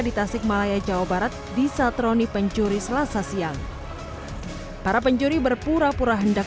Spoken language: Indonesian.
di tasikmalaya jawa barat di satroni pencuri selasa siang para pencuri berpura pura hendak